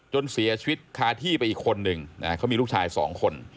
จนเสียชีวิตคาที่ไปอีกคนนึงนะเขามีลูกชายสองคน